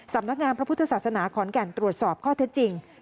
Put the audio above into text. สำนักงานพระพุทธศาสนาขอนแก่นตรวจสอบข้อเท็จจริง